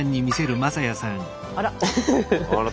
あら。